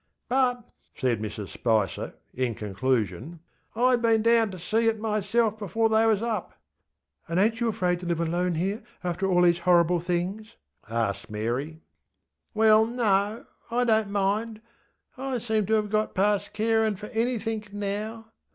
ŌĆØ ŌĆśBut, ŌĆÖ said Mrs Spicer, in conclusion, ŌĆśIŌĆÖd been down to see it myself before they was up. ŌĆÖ ŌĆśAnd ainŌĆÖt you afraid to live alone here, after all these horrible things? ŌĆÖ asked Mary. ŌĆśWell, no; I donŌĆÖt mind. I seem to have got past carinŌĆÖ for anythink now.